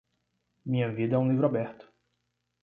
Minha vida é um livro aberto